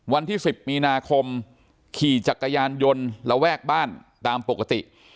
วันที่๑๐มีนาคมขี่จักรยานยนต์ระแวกบ้านตามปกติ